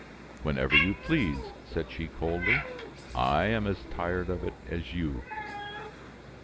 "Whenever you please," said she coldly, "I am as tired of it as you."